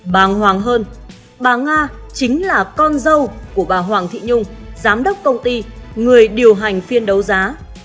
bàng hoàng hơn bà nga chính là con dâu của bà hoàng thị nhung giám đốc công ty người điều hành phiên đấu giá